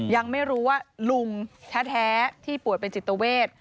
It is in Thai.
ยังไม่รู้ว่าลุงแท้ที่ป่วยเป็นจิตเวท